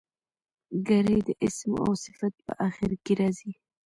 ګری د اسم او صفت په آخر کښي راځي.